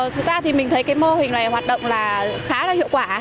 thực ra thì mình thấy cái mô hình này hoạt động là khá là hiệu quả